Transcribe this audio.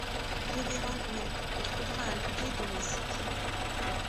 Révérende mère, il faudra un levier d'au moins six pieds.